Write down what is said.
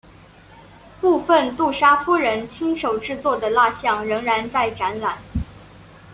部分杜莎夫人亲手制作的蜡象仍然在展览。